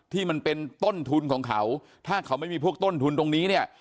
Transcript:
ที่มันเป็นต้นทุนของเขาถ้าเขาไม่มีพวกต้นทุนตรงนี้เนี่ย